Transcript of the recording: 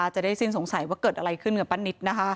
จะได้สิ้นสงสัยว่าเกิดอะไรขึ้นกับป้านิต